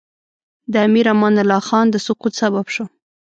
د امیر امان الله خان د سقوط سبب شو.